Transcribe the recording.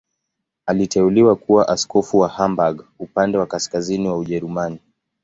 Aliteuliwa kuwa askofu wa Hamburg, upande wa kaskazini wa Ujerumani.